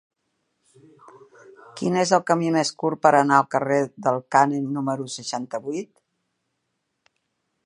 Quin és el camí més curt per anar al carrer del Cànem número seixanta-vuit?